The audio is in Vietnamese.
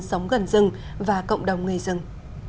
sống gần rừng và cộng đồng người rừng